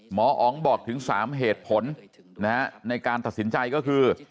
หมออ๋องบอกถึง๓เหตุผลในการตัดสินใจก็คือ